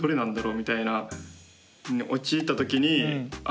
みたいな陥った時にあ